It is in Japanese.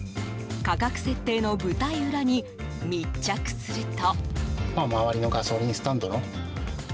価格設定の舞台裏に密着すると。